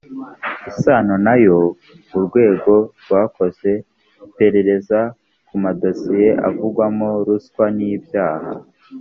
isano nayo urwego rwakoze iperereza ku madosiye avugwamo ruswa n ibyaha